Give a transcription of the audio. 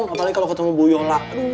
apalagi kalau ketemu bu yola